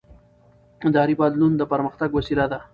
اداري بدلون د پرمختګ وسیله ده